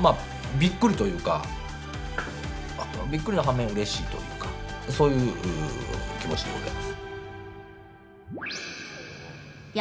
まあびっくりというかびっくりの反面うれしいというかそういう気持ちでございます。